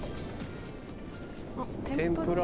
天ぷら？